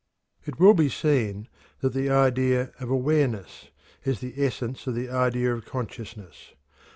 It will be seen that the idea of "awareness" is the essence of the idea of consciousness.